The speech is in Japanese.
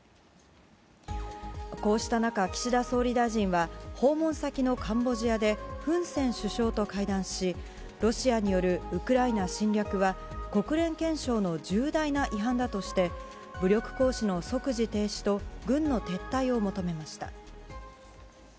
こうした中、岸田総理大臣は訪問先のカンボジアでフン・セン首相と会談しロシアによるウクライナ侵略は国連憲章の重大な違反だとして武力行使の即時停止と軍の撤退を求めました。